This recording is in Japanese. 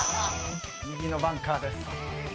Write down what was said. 右のバンカーです。